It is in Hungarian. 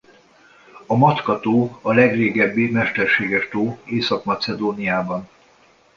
A Matka-tó a legrégebbi mesterséges tó Észak-Macedóniában.